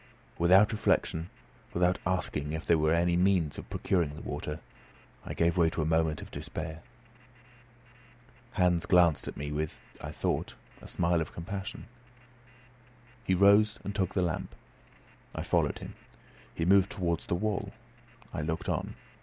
Without reflection, without asking if there were any means of procuring the water, I gave way to a movement of despair. Hans glanced at me with, I thought, a smile of compassion. He rose and took the lamp. I followed him. He moved towards the wall. I looked on.